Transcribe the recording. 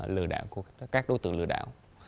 lừa đảo của các đối tượng lừa đảo